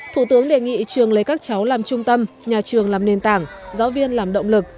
thủ tướng đề nghị trường lấy các cháu làm trung tâm nhà trường làm nền tảng giáo viên làm động lực